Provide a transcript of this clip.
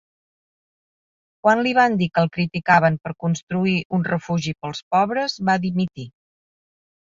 Quan li van dir que el criticaven per construir un refugi pels pobres, va dimitir.